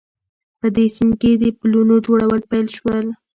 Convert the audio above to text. په دې سیند کې د پلونو جوړول پیل شوي